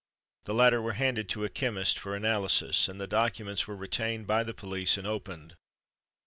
The latter were handed to a chemist for analysis, and the documents were retained by the police, and opened.